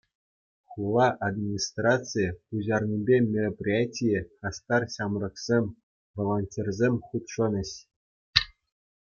Хула администрацийӗ пуҫарнипе мероприятие хастар ҫамрӑксем, волонтерсем хутшӑнӗҫ.